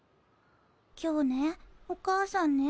今日ねお母さんね